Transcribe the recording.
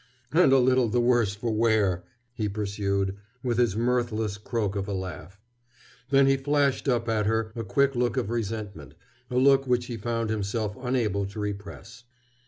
"And a little the worse for wear," he pursued, with his mirthless croak of a laugh. Then he flashed up at her a quick look of resentment, a look which he found himself unable to repress.